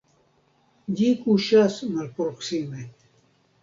Ĝi kuŝas malproksime.